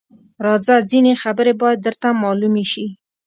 _راځه! ځينې خبرې بايد درته مالومې شي.